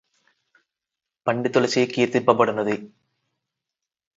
పండితులచే కీర్తింప బడునది